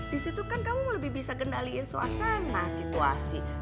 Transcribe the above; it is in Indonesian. disitu kan kamu lebih bisa gendaliin suasana situasi dan keadaan